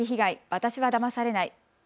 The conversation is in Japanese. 私はだまされない。